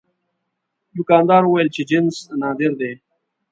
دوکاندار وویل چې جنس نادر دی.